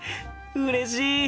うれしい！